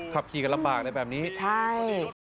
ขับขี่กันลำบากเลยแบบนี้ใช่